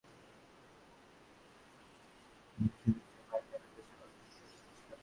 নাটকটি প্রযোজনা করেছে ভারতের পশ্চিমবঙ্গের সোদপুর পানিহাটি এলাকার সায়ুধ নাট্য সংস্থা।